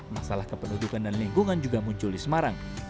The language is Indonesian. masalah kependudukan dan lingkungan juga muncul di semarang